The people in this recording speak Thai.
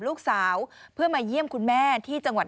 รู้สึกว่าก่อนเกิดเหตุ